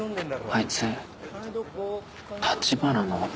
あいつ橘の弟？